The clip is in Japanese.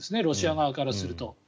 ロシア側からすると。